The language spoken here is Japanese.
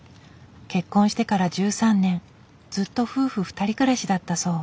結婚してから１３年ずっと夫婦２人暮らしだったそう。